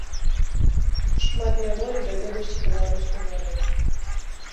Шмат няволі даведаўся беларускі народ.